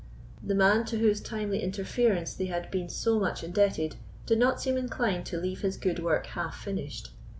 The man to whose timely interference they had been so much indebted did not seem inclined to leave his good work half finished.